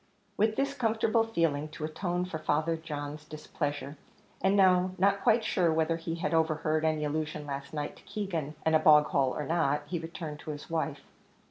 With this comfortable feeling, to atone for Father John's displeasure, and now not quite sure whether he had overheard any allusion last night to Keegan and a bog hole or not, he returned to his wife.